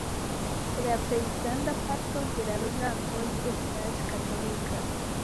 La plej granda parto de la loĝantoj estas katolika.